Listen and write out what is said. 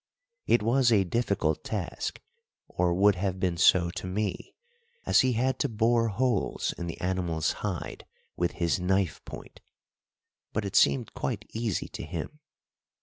It was a difficult task, or would have been so to me, as he had to bore holes in the animal's hide with his knife point, but it seemed quite easy to him.